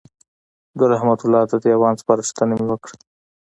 د رحمت الله د دېوان سپارښتنه مې وکړه.